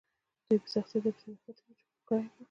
دوی په سختۍ درپسې نښتي وي چې اوښ کرایه کړه.